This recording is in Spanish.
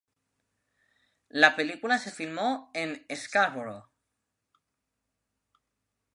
La película se filmó en Scarborough.